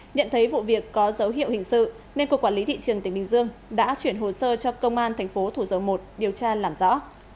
nhận thấy vụ việc có dấu hiệu hình sự nên cục quản lý thị trường tỉnh bình dương đã chuyển hồ sơ cho công an thành phố thủ dầu một điều tra làm rõ